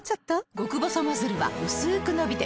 極細ノズルはうすく伸びて